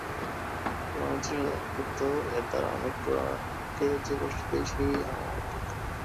তবে অনিচ্ছা সত্ত্বেও এর দ্বারা অন্যকে যে কষ্ট দিই, সেই আমার দুঃখ।